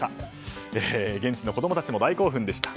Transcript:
現地の子供たちも大興奮でした。